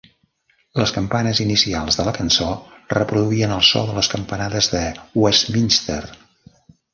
Les campanes inicials de la cançó reproduïen el so de les campanades de Westminster.